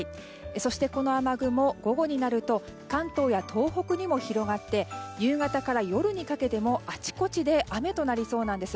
そしてこの雨雲午後になると関東や東北にも広がって、夕方から夜にかけてもあちこちで雨となりそうなんです。